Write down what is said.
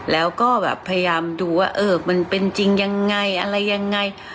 แล้วก็แบบพยายามดูว่าเออมันเป็นจริงยังไงอะไรยังไง